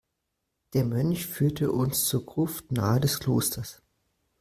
Der Mönch führte uns zur Gruft nahe des Klosters.